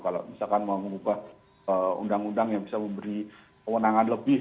kalau misalkan mau mengubah undang undang yang bisa memberi kewenangan lebih